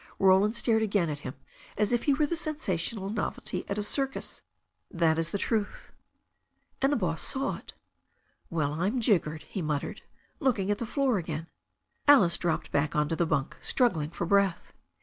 Roland stared again at him as if he were the sensational novelty at a circus. "That is the truth." And the hoss saw it. "Well, I'm jiggered!" he muttered, looking at the floor again. Alice dropped back on to the bunk, struggling for breath.